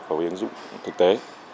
và với ứng dụng thực tế